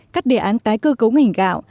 các đề án tái cơ cấu ngành gạo